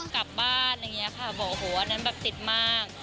กลับบ้านอย่างนี้ค่ะบอกว่าอันนั้นแบบติดมาก